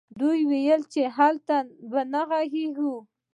دوی ويل چې هغه به نه وغږېږي.